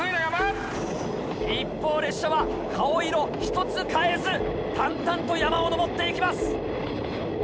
一方列車は顔色ひとつ変えず淡々と山を登っていきます。